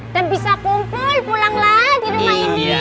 dan bisa kumpul pulang lagi rumah ini ya